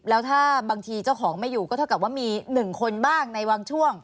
แล้วถ้าบางทีเจ้าของไม่อยู่ก็เท่ากับว่ามี๑คนบ้างในบางช่วง